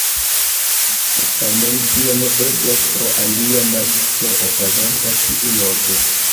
Tamen tio ne eblas pro alia matĉo okazonta tiuloke.